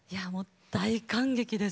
大感激です。